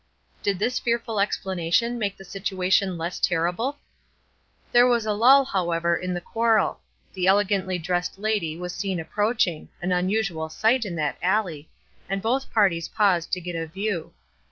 Did this fearful explanation make the situation less terrible? There was a lull, however, in the quarrel. The elegantly dressed lady was seen approaching, an unusual sight in that alley, and both parties paused to get a view.